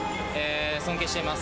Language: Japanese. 尊敬しています。